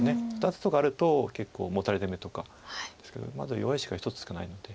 ２つとかあると結構モタレ攻めとかですけどまだ弱い石が１つしかないので。